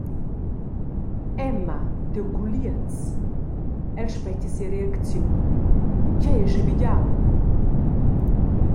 Emma, tiu culiez …», el spetga sia reacziun, «Tgei ei schabegiau?